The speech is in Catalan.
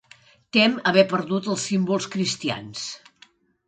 Tem haver perdut els símbols cristians.